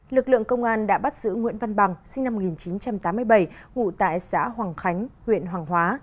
lực lượng công an đã bắt giữ nguyễn văn bằng sinh năm một nghìn chín trăm tám mươi bảy ngụ tại xã hoàng khánh huyện hoàng hóa